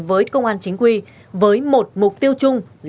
với công an chính quy với một mục đích